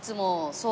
そう。